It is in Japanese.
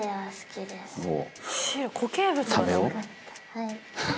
はい。